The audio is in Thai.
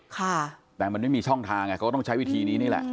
ค่ะแต่มันไม่มีช่องทางไงเขาก็ต้องใช้วิธีนี้นี่แหละ